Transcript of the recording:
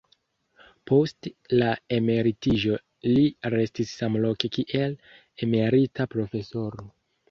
Post la emeritiĝo li restis samloke kiel emerita profesoro.